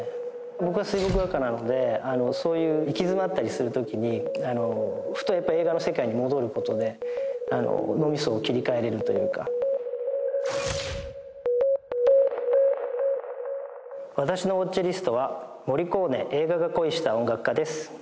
僕は水墨画家なのでそういう行き詰まったりする時にあのふとやっぱり映画の世界に戻ることで脳みそを切り替えられるというか私のＷａｔｃｈＬＩＳＴは「モリコーネ映画が恋した音楽家」です